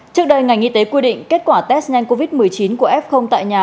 trước đây ngành y tế quy định kết quả test nhanh covid một mươi chín của f tại nhà